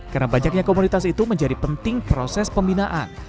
karena banyaknya komunitas itu menjadi penting proses pembinaan